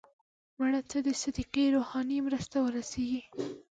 مړه ته د صدقې روحاني مرسته ورسېږي